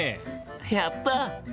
やった！